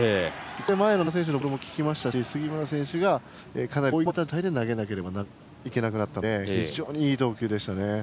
これで前の中村選手のボールも効きましたし杉村選手が追い込まれた状態で投げなければいけなくなったので非常にいい投球でしたね。